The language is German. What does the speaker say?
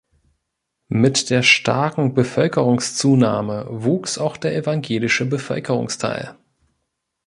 Mit der starken Bevölkerungszunahme wuchs auch der evangelische Bevölkerungsteil.